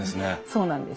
そうなんです。